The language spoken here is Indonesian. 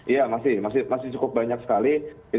iya masih cukup banyak sekali